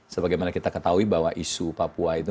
sebagaimana kita ketahui bahwa isu papua itu